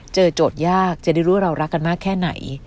โจทย์ยากจะได้รู้ว่าเรารักกันมากแค่ไหน